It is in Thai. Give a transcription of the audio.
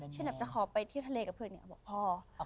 เช่นแบบจะขอไปเที่ยวทะเลกับเพื่อนอย่างนี้ก็บอกพ่อ